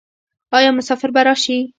آیا مسافر به راشي؟